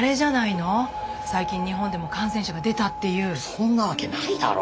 そんなわけないだろ。